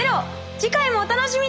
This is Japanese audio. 次回もお楽しみに！